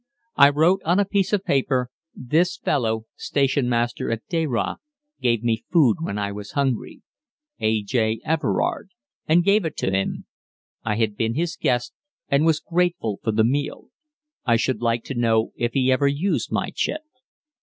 I wrote on a piece of paper, "This fellow, Station master at Deraah, gave me food when I was hungry A. J. EVERARD," and gave it to him: I had been his guest, and was grateful for the meal. I should like to know if he ever used my chit.